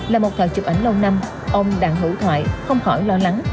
là một phần chụp ảnh lâu năm ông đặng hữu thoại không khỏi lo lắng